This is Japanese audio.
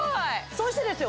そしてですよ